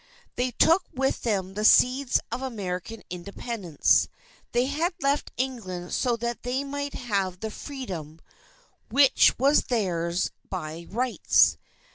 They took with them the seeds of American Independence. They had left England so that they might have the freedom which was theirs by rights.